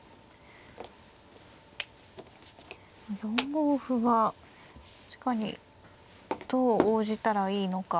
４五歩は確かにどう応じたらいいのか。